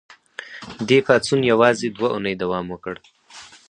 دې پاڅون یوازې دوه اونۍ دوام وکړ.